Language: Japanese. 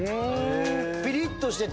ピリっとしてて。